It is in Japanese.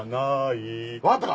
わかったか？